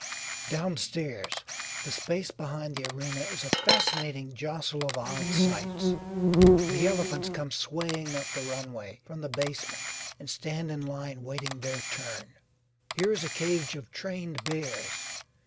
Downstairs, the space behind the arena is a fascinating jostle of odd sights. The elephants come swaying up the runway from the basement and stand in line waiting their turn. Here is a cage of trained bears.